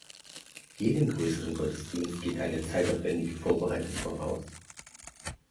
Jedem größeren Gottesdienst geht eine zeitaufwendige Vorbereitung voraus.